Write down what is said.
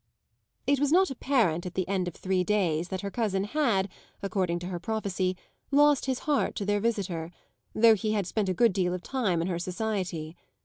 It was not apparent, at the end of three days, that her cousin had, according to her prophecy, lost his heart to their visitor, though he had spent a good deal of time in her society.